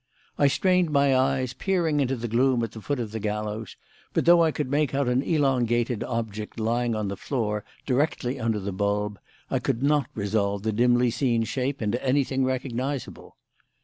I strained my eyes, peering into the gloom at the foot of the gallows, but though I could make out an elongated object lying on the floor directly under the bulb, I could not resolve the dimly seen shape into anything recognisable.